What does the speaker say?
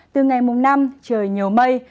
từ ngày năm trời nhiều mây